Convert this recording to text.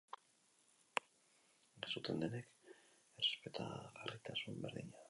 Ez zuten denek errespetagarritasun berdina.